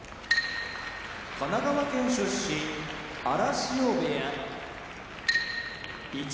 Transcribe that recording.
神奈川県出身荒汐部屋一